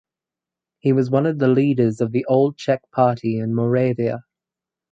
He was one of the leaders of the Old Czech Party in Moravia.